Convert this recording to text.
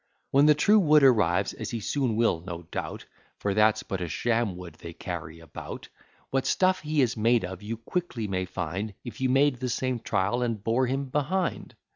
When the true Wood arrives, as he soon will, no doubt, (For that's but a sham Wood they carry about;) What stuff he is made of you quickly may find If you make the same trial and bore him behind.